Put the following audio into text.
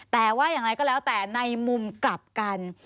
แต่ว่าอย่างไรก็แล้วแต่ในมุมกลับกัน